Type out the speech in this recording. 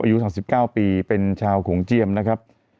อายุ๓๙ปีเป็นชาวโขงเจียมนะครับ